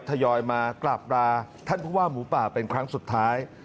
ทยอยมากราบราท่านผู้ว่าหมูป่าเป็นครั้งสุดท้าย